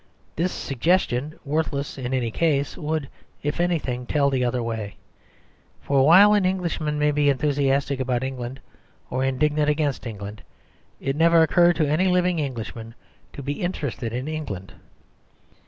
This suggestion, worthless in any case, would, if anything, tell the other way. For while an Englishman may be enthusiastic about England, or indignant against England, it never occurred to any living Englishman to be interested in England.